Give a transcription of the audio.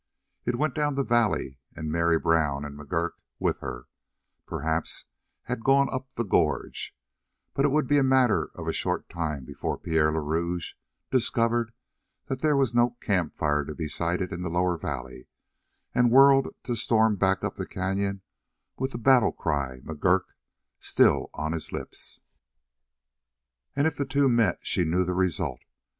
It went down the valley, and Mary Brown, and McGurk with her, perhaps, had gone up the gorge, but it would be a matter of a short time before Pierre le Rouge discovered that there was no camp fire to be sighted in the lower valley and whirled to storm back up the canyon with that battle cry: "McGurk!" still on his lips. And if the two met she knew the result.